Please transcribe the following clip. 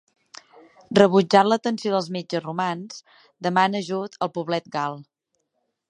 Rebutjant l'atenció dels metges romans, demana ajut al poblet gal.